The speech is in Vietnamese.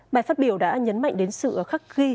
bài phát biểu đã nhấn mạnh đến sự khắc ghi